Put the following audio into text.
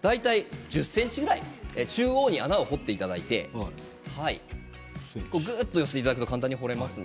大体１０ｃｍぐらい中央に穴を掘っていただいてぐっと寄せていただくと簡単に掘れます。